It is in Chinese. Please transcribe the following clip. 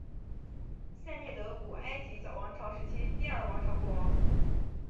塞涅德古埃及早王朝时期第二王朝国王。